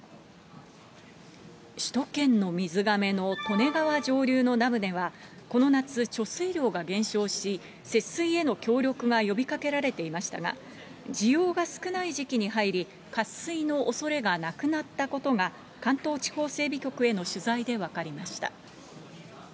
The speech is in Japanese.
首都圏の水がめの利根川上流のダムでは、この夏、貯水量が減少し、節水への協力が呼びかけられていましたが、需要が少ない時期に入り、渇水のおそれがなくなったことが関東地方整備局への取材で分かりました。